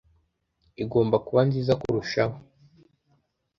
Igomba kuba nziza kurushaho